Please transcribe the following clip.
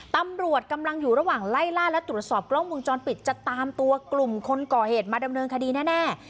ตำรวจกำลังอยู่ระหว่างไล่ล่าและตรวจสอบกล้องมุมจรปิดจะตามตัวกลุ่มคนก่อเหตุมาดำเนินคดีแน่